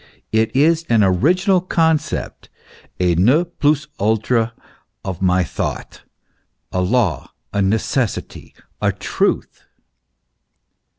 it is an original concept, a ne plus ultra of my thought, a law, a necessity, a truth.